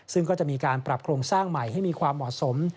ซึ่งก็จะมีการปรับโครงสร้างใหม่ให้มีความเหมาะสม